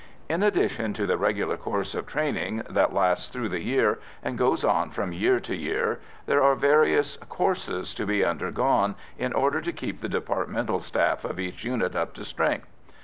In addition to the regular course of training that lasts through the year and goes on from year to year, there are various "courses" to be undergone in order to keep the departmental staff of each unit up to strength.